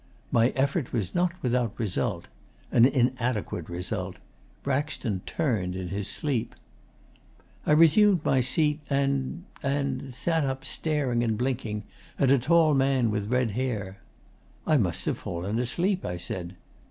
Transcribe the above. My effort was not without result an inadequate result. Braxton turned in his sleep. 'I resumed my seat, and... and... sat up staring and blinking, at a tall man with red hair. "I must have fallen asleep," I said.